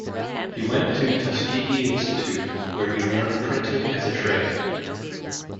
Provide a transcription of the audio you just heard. He went to Tuskegee Institute, where he learned printing as a trade.